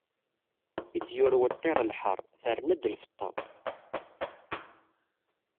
I d-yurew ṭṭir lḥeṛ, terna-d lfeṭṭa.